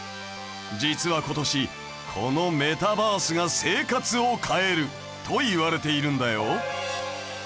実は今年このメタバースが生活を変えるといわれているんだよ。